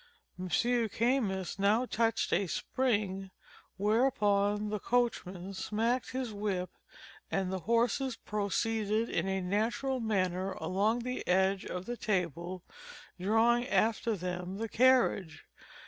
M. Camus now touched a spring; whereupon the coachman smacked his whip, and the horses proceeded in a natural manner, along the edge of the table, drawing after them the carriage.